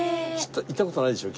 行った事ないでしょ？